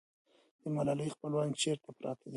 د ملالۍ خپلوان چېرته پراته دي؟